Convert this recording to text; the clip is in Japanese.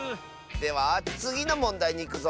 ではつぎのもんだいにいくぞ。